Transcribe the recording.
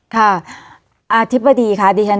อธิบดีค่ะ